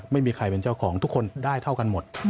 ไม่มีใครเป็นเจ้าของทุกคนได้เท่ากันหมด